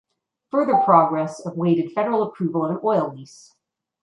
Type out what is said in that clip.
Further progress awaited federal approval of an oil lease.